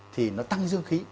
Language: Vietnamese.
thì nó tăng dương khí